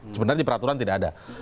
sebenarnya di peraturan tidak ada